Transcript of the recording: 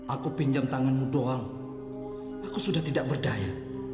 aku pinjam tanganmu doang aku sudah tidak berdaya